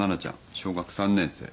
小学３年生。